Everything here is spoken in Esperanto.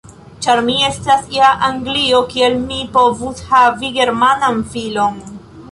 Ĉar mi estas ja Anglino, kiel mi povus havi Germanan filon?